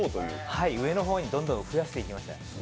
はい、上の方にどんどん増やしていきました。